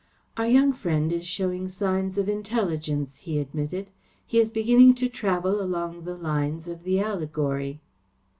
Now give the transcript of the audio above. "Our young friend is showing signs of intelligence," he admitted. "He is beginning to travel along the lines of the allegory."